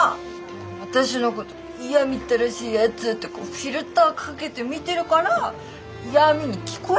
私のこと嫌みったらしいやつってこうフィルターかけて見てるから嫌みに聞こえちゃうんでしょ！